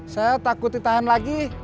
saya takut ditahan lagi